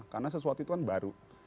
karena sesuatu itu kan baru